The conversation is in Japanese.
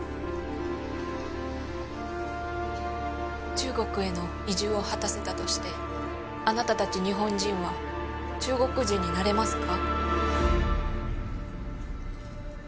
中国への移住を果たせたとしてあなた達日本人は中国人になれますか？